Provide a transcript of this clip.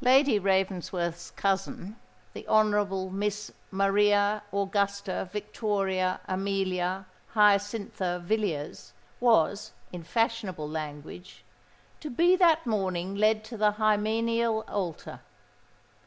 Lady Ravensworth's cousin, the Honourable Miss Maria Augusta Victoria Amelia Hyacintha Villiers, was, in fashionable language, "to be that morning led to the hymeneal altar."